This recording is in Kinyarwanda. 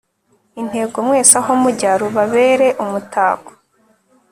intego mwese aho mujya rubabere umutako